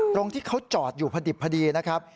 ตรงที่เขาจอดอยู่พอดิบพอดีนะครับ